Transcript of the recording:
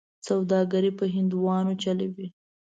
سوداګري په هندوانو چلوي.